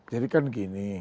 jadi kan gini